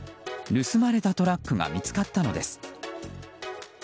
盗まれたトラックが見つかったのです。